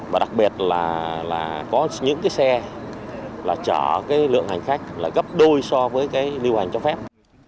và đặc biệt là có những cái xe là chở cái lượng hành khách là gấp đôi so với cái lưu hành cho phép